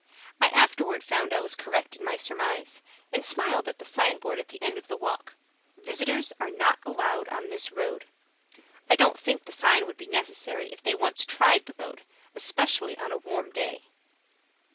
I afterward found I was correct in my surmise, and smiled at the signboard at the end of the walk: "Visitors are not allowed on this road." I don't think the sign would be necessary if they once tried the road, especially on a warm day.